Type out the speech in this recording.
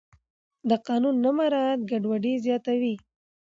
د قانون نه مراعت ګډوډي زیاتوي